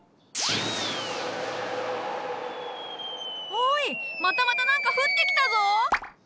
おいまたまた何か降ってきたぞ！